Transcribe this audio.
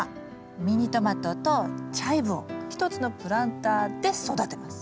ミニトマトとチャイブを１つのプランターで育てます。